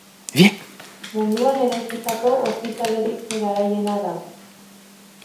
Munduan eraikitako ospitalerik garaiena da.